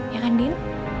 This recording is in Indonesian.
ya kan din